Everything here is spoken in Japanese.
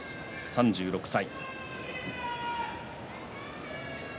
３６歳。